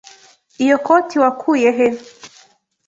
Iyo koti wakuye he?